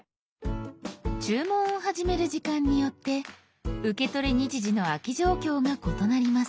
注文を始める時間によって受け取り日時の空き状況が異なります。